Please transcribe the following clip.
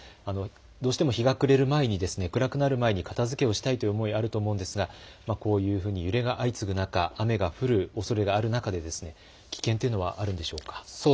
どうしても日が暮れる前に、暗くなる前に片づけをしたいという思いがあると思うんですが揺れが相次ぐ中、雨が降るおそれがある中で危険というのはあるんでしょうか。